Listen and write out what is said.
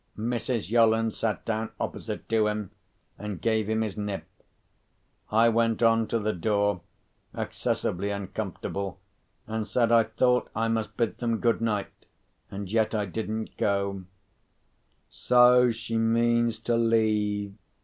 Mrs Yolland sat down opposite to him, and gave him his nip. I went on to the door, excessively uncomfortable, and said I thought I must bid them good night—and yet I didn't go. "So she means to leave?"